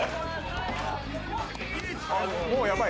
「あっもうやばい！